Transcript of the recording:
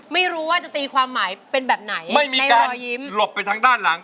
ไม่รู้ว่าจะตีความหมายเป็นแบบไหนไม่มีการยิ้มหลบไปทางด้านหลัง